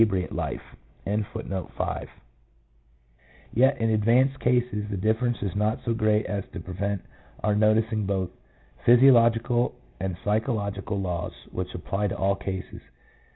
of alcohol used, and other factors; yet in advanced cases the difference is not so great as to prevent our noticing both physiological and psychological laws which apply to all cases.